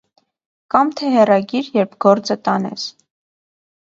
- Կամ թե հեռագրիր, երբ գործը տանես.